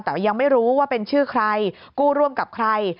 แต่ยังไม่รู้ว่าเป็นชื่อใครกู้ร่วมกับใคร